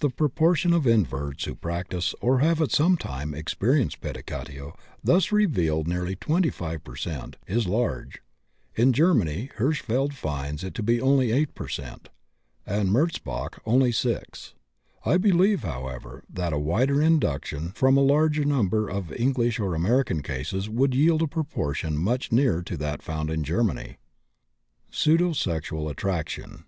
The proportion of inverts who practise or have at some time experienced pedicatio thus revealed (nearly 25 per cent.) is large; in Germany Hirschfeld finds it to be only 8 per cent., and Merzbach only 6. I believe, however, that a wider induction from a larger number of English and American cases would yield a proportion much nearer to that found in Germany. PSEUDOSEXUAL ATTRACTION.